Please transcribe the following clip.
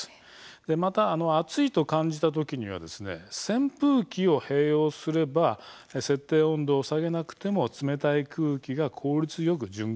また暑いと感じたときには扇風機を併用すれば設定温度を下げなくても冷たい空気が効率よく循環します。